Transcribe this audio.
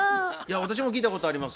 私も聞いたことあります。